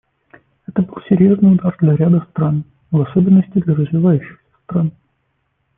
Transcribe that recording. Это был серьезный удар для ряда стран, в особенности для развивающихся стран.